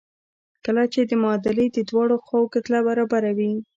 کله چې د معادلې د دواړو خواوو کتله برابره وي.